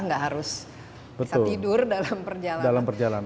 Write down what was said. nggak harus bisa tidur dalam perjalanan